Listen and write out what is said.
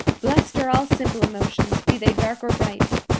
Blessed are all simple emotions, be they dark or bright!